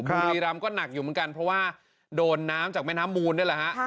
บุรีรำก็หนักอยู่เหมือนกันเพราะว่าโดนน้ำจากแม่น้ำมูลนี่แหละฮะ